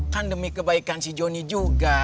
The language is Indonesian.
kan demi kebaikan si joni juga